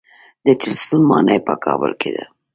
د چهلستون ماڼۍ په کابل کې ده